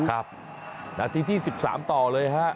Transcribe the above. ครับนาทีที่สิบสามต่อเลยฮะ